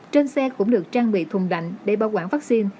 trên xe cũng được trang bị thùng đạnh để bảo quản vaccine